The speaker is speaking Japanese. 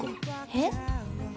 えっ？